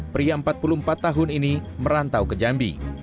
pria empat puluh empat tahun ini merantau ke jambi